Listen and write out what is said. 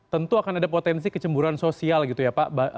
tentu akan ada potensi kecemburan sosial gitu ya pak